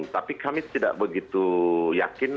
tapi kami tidak begitu yakin